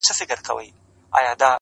نوې ورځ نوی هیواد سي نوي نوي پلټنونه -